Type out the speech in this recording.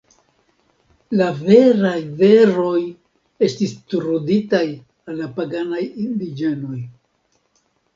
La veraj veroj estis truditaj al la paganaj indiĝenoj.